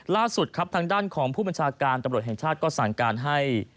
ล่าสุดครับทางด้านของผู้บัญชาการตำรวจแห่งชาติก็สั่งการให้